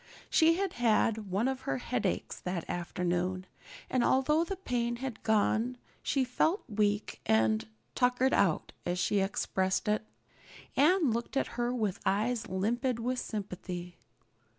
She had had one of her headaches that afternoon, and although the pain had gone she felt weak and "tuckered out," as she expressed it. Anne looked at her with eyes limpid with sympathy.